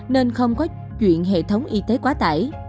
nên không có chuyện hệ thống y tế quá tải